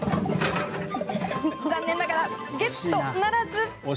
残念ながら、ゲットならず！